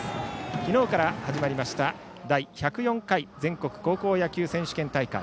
昨日から始まりました第１０４回全国高校野球選手権大会。